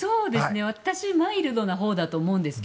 私、マイルドなほうだと思うんですが。